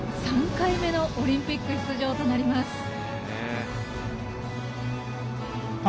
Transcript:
３回目のオリンピック出場となります。